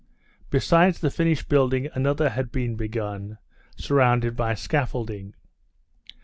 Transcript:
Beside the finished building another had been begun, surrounded by scaffolding.